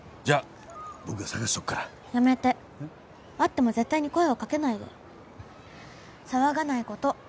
じゃあ僕が捜しておくからやめて会っても絶対に声をかけないで騒がないこと